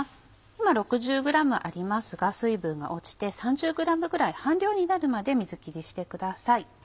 今６０ｇありますが水分が落ちて３０ｇぐらい半量になるまで水きりしてください。